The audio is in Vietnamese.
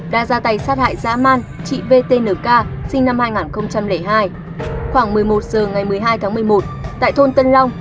đã ra tay sát hại dã man chị vtnk sinh năm hai nghìn hai khoảng một mươi một h ngày một mươi hai tháng một mươi một tại thôn tân long